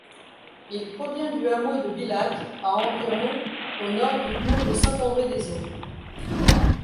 Il provient du hameau de Bilac, à environ au nord du bourg de Saint-André-des-Eaux.